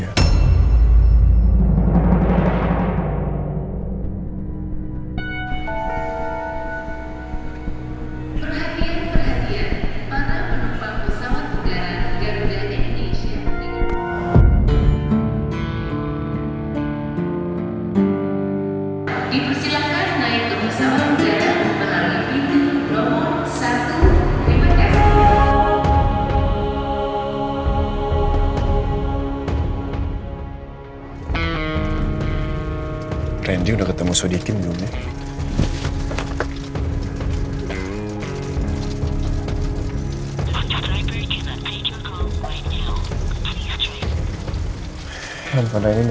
aku sudah selesai